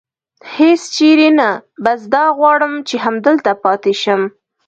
هېڅ چېرې نه، بس دا غواړم چې همدلته پاتې شم.